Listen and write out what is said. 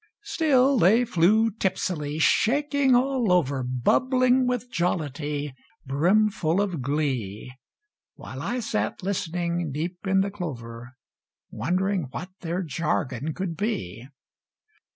Still they flew tipsily, shaking all over, Bubbling with jollity, brimful of glee, While I sat listening deep in the clover, Wondering what their jargon could be.